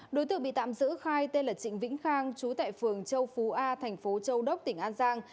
đối tượng bị tạm giữ khai tên là trịnh vĩnh khang trú tại phường châu phú a tp châu đốc tỉnh an giang